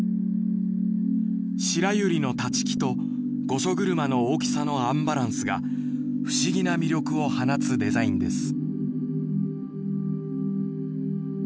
白百合の立ち木と御所車の大きさのアンバランスが不思議な魅力を放つデザインです」。